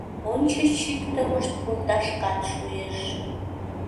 Ончыч чӱктымышт пундашкат шуэш.